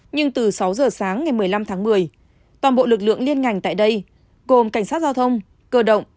nhưng từ sáu giờ sáng ngày một mươi năm tháng một mươi toàn bộ lực lượng liên ngành tại đây gồm cảnh sát giao thông cơ động